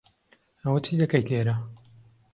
ئەوە چی دەکەیت لێرە؟